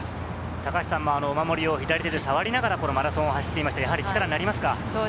高橋さんもお守りを左手でさわりながらマラソンを走っていましたが、力になりますか？